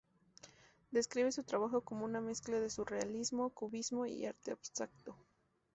Describe su trabajo como una mezcla de surrealismo, cubismo y arte abstracto.